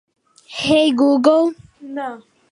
Mimoso do Sul